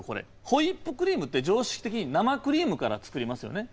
ホイップクリームって常識的に生クリームから作りますよね。